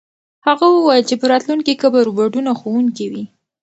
هغه وویل چې په راتلونکي کې به روبوټونه ښوونکي وي.